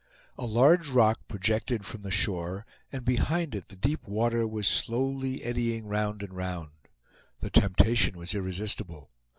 A large rock projected from the shore, and behind it the deep water was slowly eddying round and round. The temptation was irresistible.